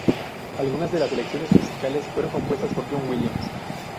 Algunas de las selecciones musicales fueron compuestas por John Williams.